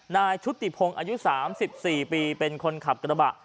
ชุติพงศ์อายุ๓๔ปีเป็นคนขับกระบะ